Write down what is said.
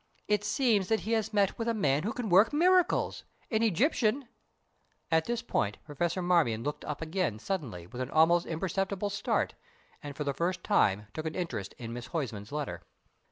It seems that he has met with a man who can work miracles, an Egyptian " At this point Professor Marmion looked up again suddenly with an almost imperceptible start, and, for the first time, took an interest in Miss Huysman's letter.